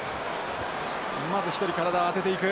まず１人体を当てていく。